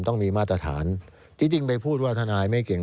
ต้องมีมาตรฐาน